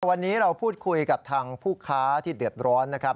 วันนี้เราพูดคุยกับทางผู้ค้าที่เดือดร้อนนะครับ